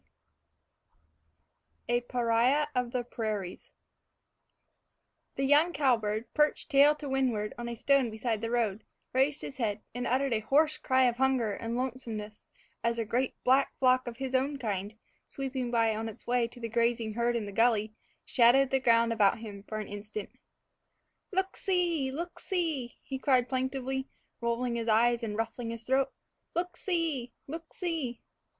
IV A PARIAH OF THE PRAIRIES THE young cowbird, perched tail to windward on a stone beside the road, raised his head, and uttered a hoarse cry of hunger and lonesomeness as a great black flock of his own kind, sweeping by on its way to the grazing herd in the gully, shadowed the ground about him for an instant. "Look see! look see!" he called plaintively, rolling his eyes and ruffling his throat; "look see! look see!"